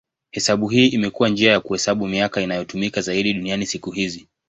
Hesabu hii imekuwa njia ya kuhesabu miaka inayotumika zaidi duniani siku hizi.